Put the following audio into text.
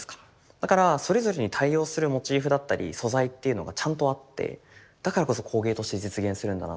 だからそれぞれに対応するモチーフだったり素材っていうのがちゃんとあってだからこそ工芸として実現するんだなっていう。